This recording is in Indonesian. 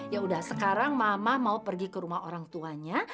yaudah sekarang mama mau pergi ke rumah orang tuanya